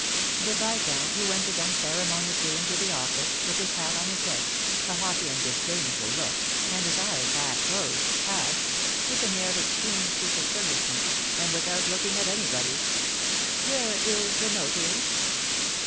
The viscount, who entered unceremoniously into the office, with his hat on his head, a haughty and disdainful look, and his eyes half closed, asked, with an air of extreme superciliousness, and without looking at anybody: "Where is the notary?"